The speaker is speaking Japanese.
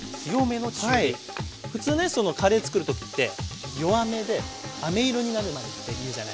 普通ねカレーつくる時って弱めであめ色になるまでっていうじゃないですか。